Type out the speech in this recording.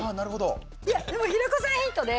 でも、平子さんヒントで